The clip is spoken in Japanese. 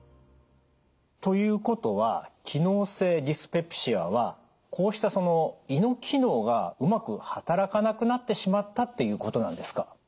ということは機能性ディスペプシアはこうした胃の機能がうまくはたらかなくなってしまったっていうことなんですか？